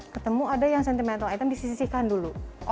ketemu ada yang sentimental item disisihkan dulu